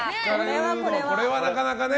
これはなかなかね。